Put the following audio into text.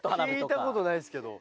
聞いたことないですけど。